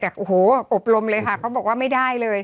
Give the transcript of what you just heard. แต่โอ้โหอบรมเลยค่ะเขาบอกว่าไม่ได้เลย